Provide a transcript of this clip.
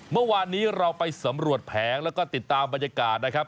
เมื่อวานนี้เราไปสำรวจแผงแล้วก็ติดตามบรรยากาศนะครับ